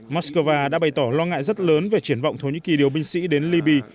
moscow đã bày tỏ lo ngại rất lớn về triển vọng thổ nhĩ kỳ điều binh sĩ đến libya